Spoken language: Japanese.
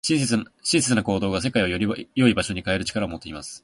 親切な行動が、世界をより良い場所に変える力を持っています。